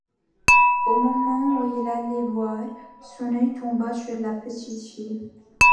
Au moment où il allait boire, son œil tomba sur la petite fille.